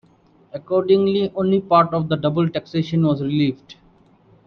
Accordingly, only part of the double taxation was relieved.